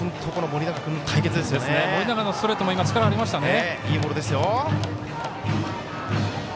盛永のストレートも力ありましたね。